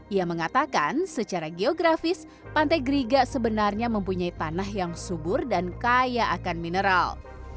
ia mengatakan secara geografis pantai griga sebenarnya mempunyai tanah yang subur dan kaya akan mineral